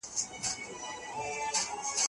اسلام د خطا قتل کفاره د مريي يا مينځي ازادول وټاکله